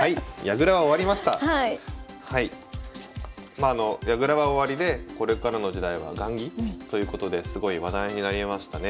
まああの矢倉は終わりでこれからの時代は雁木ということですごい話題になりましたね。